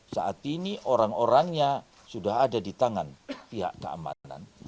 saat ini orang orangnya sudah ada di tangan pihak keamanan